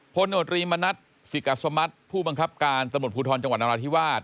โนตรีมณัฐศิกัสมัติผู้บังคับการตำรวจภูทรจังหวัดนราธิวาส